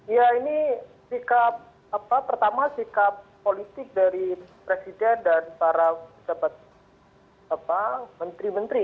ya ini sikap apa pertama sikap politik dari presiden dan para menteri menteri